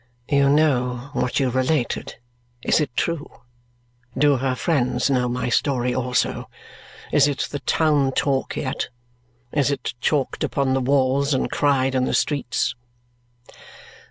"You know what you related. Is it true? Do her friends know my story also? Is it the town talk yet? Is it chalked upon the walls and cried in the streets?"